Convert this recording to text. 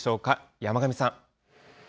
山神さん。